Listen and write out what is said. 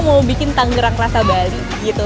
mau bikin tangerang rasa bali gitu